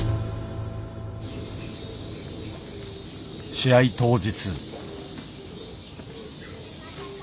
試合当日。